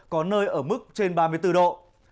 có nơi ở mức trên ba mươi bốn độ